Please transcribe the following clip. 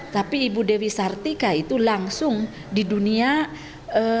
tapi ibu dewi sartika itu langsung di dunia